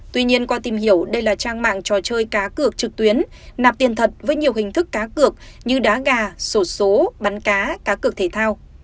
tuy nhiên qua tìm hiểu đây là trang mạng trò chơi cá cược trực tuyến nạp tiền thật với nhiều hình thức cá cược như đá gà sổ số bắn cá cá cược thể thao